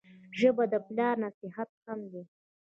ژبه د پلار نصیحت هم دی